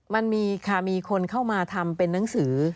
มันมีค่ะมีคนเข้ามาทำเป็นนังสือ